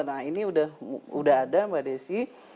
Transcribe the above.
nah ini udah ada mbak desi